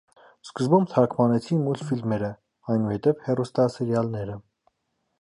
Սկզբում թարգմանվեցին մուլտֆիլմերը, այնուհետև՝ հեռուստասերիալները։